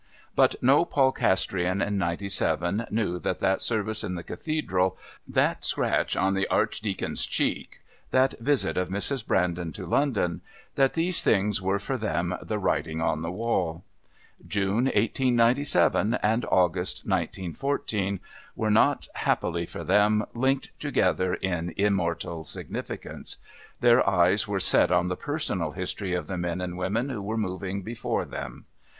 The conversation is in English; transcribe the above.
But no Polcastrian in '97 knew that that service in the Cathedral, that scratch on the Archdeacon's cheek, that visit of Mrs. Brandon to London that these things were for them the Writing on the Wall. June 1897 and August 1914 were not, happily for them, linked together in immortal significance their eyes were set on the personal history of the men and women who were moving before them.